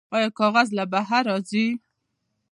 آیا کاغذ له بهر راځي؟